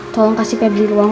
tolong kasih pebri ruang